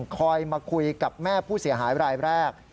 คอยมาคุยกับแม่ผู้เสียหายรายแรก